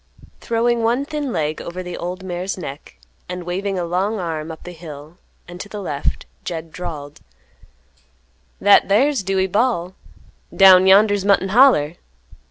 Throwing one thin leg over the old mare's neck, and waving a long arm up the hill and to the left, Jed drawled, "That thar's Dewey Bal'; down yonder's Mutton Holler."